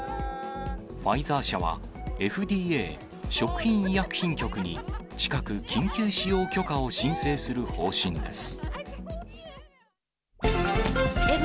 ファイザー社は、ＦＤＡ・食品医薬品局に近く、緊急使用許可を申請する方針です。